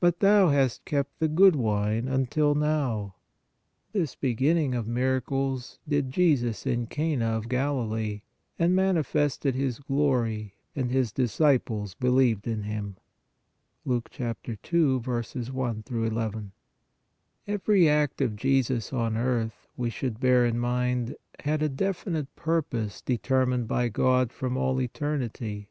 But thou hast kept the good wine until now. This beginning of miracles did 64 PRAYER Jesus in Cana of Galilee, and manifested His glory, and His disciples believed in Him " (Luke 2. i n). Every act of Jesus on earth, we should bear in mind, had a definite purpose determined by God from all eternity.